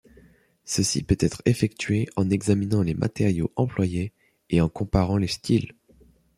Ceci peut être effectué en examinant les matériaux employés et en comparant les styles.